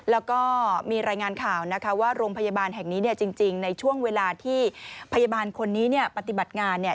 แล้วก็มีรายงานข่าวนะคะว่าโรงพยาบาลแห่งนี้จริงในช่วงเวลาที่พยาบาลคนนี้ปฏิบัติงาน